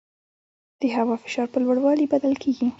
د هوا فشار په لوړوالي بدل کېږي.